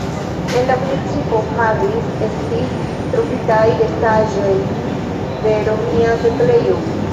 En la municipo Harris estis trovitaj restaĵoj de romia setlejo.